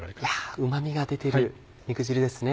うま味が出てる肉汁ですね。